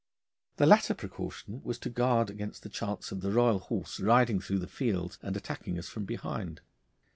The latter precaution was to guard against the chance of the royal horse riding through the fields and attacking us from behind.